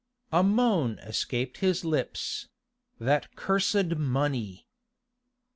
A moan escaped his lips—'That cursed money!